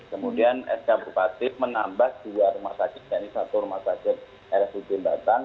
kemudian sk bupati menambah dua rumah sakit yaitu satu rumah sakit rsud batang